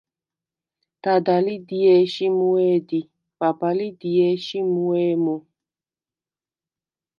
დადა ლი დიე̄შ ი მუუ̂ე̄ დი, ბაბა ლი დიე̄შ ი მუუ̂ე̄ მუ.